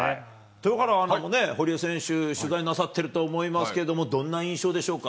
豊原アナもね、堀江選手、取材なさっていると思いますけども、どんな印象でしょうか。